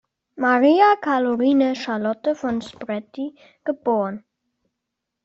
Maria Caroline Charlotte von Spreti, geb.